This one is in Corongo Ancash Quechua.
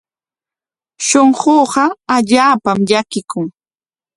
Shunquuqa allaapam llakikun.